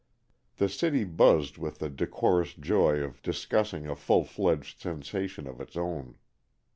The city buzzed with the decorous joy of discussing a full fledged sensation of its own.